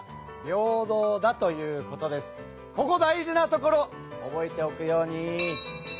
ここ大事なところ覚えておくように。